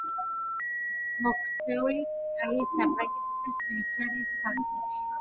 მოქცეულია იტალიის, საფრანგეთისა და შვეიცარიის ფარგლებში.